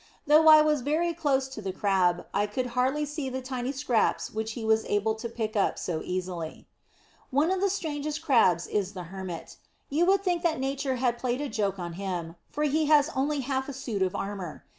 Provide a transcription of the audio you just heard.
Though I was very close to the Crab, I could hardly see the tiny scraps which he was able to pick up so easily. One of the strangest Crabs is the Hermit. You would think that Nature had played a joke on him, for he has only half a suit of armour.